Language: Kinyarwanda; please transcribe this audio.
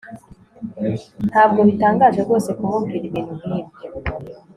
Ntabwo bitangaje rwose kumubwira ibintu nkibyo